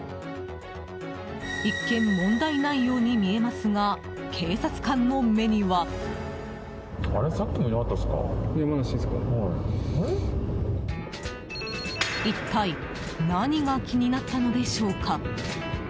一見、問題ないように見えますが警察官の目には。一体、何が気になったのでしょうか？